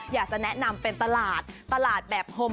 อยากจะแนะนำเป็นตลาดตลาดแบบโฮม